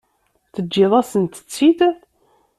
Teǧǧiḍ-asent-tt-id?